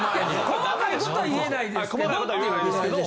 細かい事は言えないですけど。